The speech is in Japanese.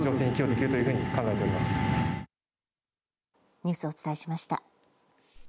ニュースをお伝えしました。